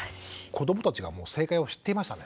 子どもたちがもう正解を知っていましたね。